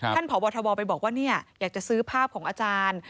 พบทบไปบอกว่าอยากจะซื้อภาพของอาจารย์